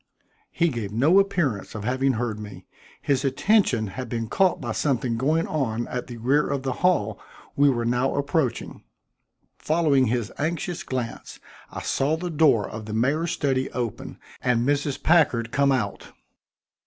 He gave no appearance of having heard me; his attention had been caught by something going on at the rear of the hall we were now approaching. Following his anxious glance, I saw the door of the mayor's study open and Mrs. Packard come out.